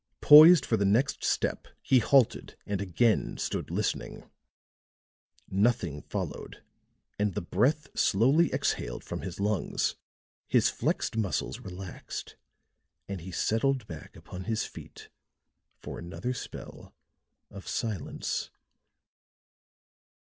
Poised for the next step he halted and again stood listening. Nothing followed, and the breath slowly exhaled from his lungs, his flexed muscles relaxed, and he settled back upon his feet for another spell of silence.